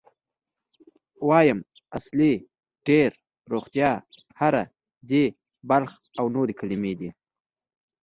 وایم، اصلي، ډېر، روغتیا، هره، دی، بلخ او نورې کلمې دي.